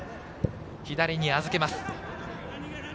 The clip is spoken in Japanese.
左に預けます。